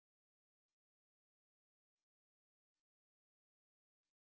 kami juga banyak berlagu lagu tentang hal ini yang menyebabkan ramadan ini kenonthe ky business provides